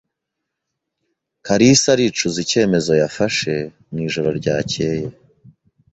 Kalisa aricuza icyemezo yafashe mu ijoro ryakeye.